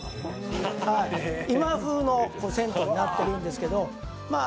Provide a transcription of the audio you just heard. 「今風の銭湯になってるんですけどまあ